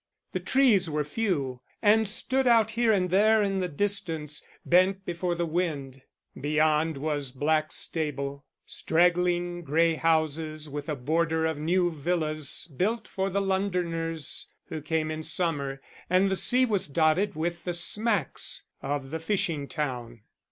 The trees were few, and stood out here and there in the distance, bent before the wind. Beyond was Blackstable, straggling grey houses with a border of new villas built for the Londoners who came in summer; and the sea was dotted with the smacks of the fishing town.